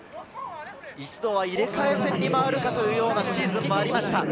一度は入れ替え戦に回るかというようなシーズンもありました。